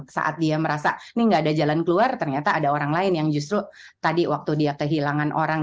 saat dia merasa ini nggak ada jalan keluar ternyata ada orang lain yang justru tadi waktu dia kehilangan orang